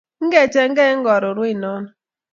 ingechenge lkaron wei nono .